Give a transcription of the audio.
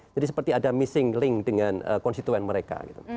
jadi seperti ada missing link dengan konstituen mereka